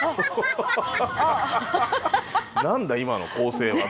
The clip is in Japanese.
何だ今の構成は。